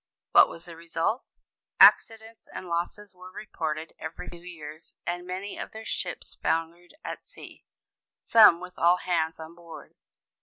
What was the result? Accidents and losses were reported every few days, and many of their ships foundered at sea, some with all hands on board.